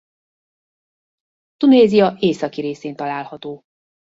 Tunézia északi részén található.